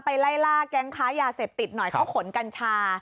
ไล่ล่าแก๊งค้ายาเสพติดหน่อยเขาขนกัญชา